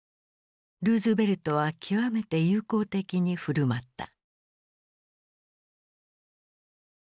ルーズベルトは極めて友好的に振る舞った。